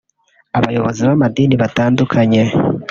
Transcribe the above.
abayobozi b’amadini atandukanye